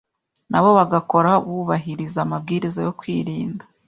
nabo bagakora bubahiriza amabwiriza yo kwirinda